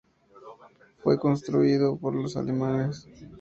Fue construido por los alemanes.